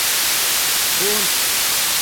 — Бунт!